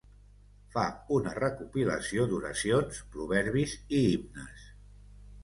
Fa una recopilació d'oracions, proverbis i himnes.